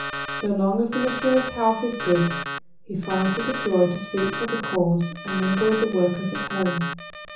So long as the missionary's health is good, he finds it a joy to speak for the cause and mingle with the workers at home.